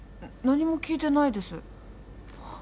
な何も聞いてないです